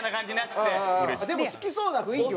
でも好きそうな雰囲気はある。